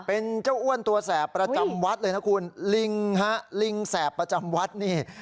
เป็นเจ้าอ้วนตัวแสบประจำวัดเลยนะคุณลิงฮะลิงแสบประจำวัดนี่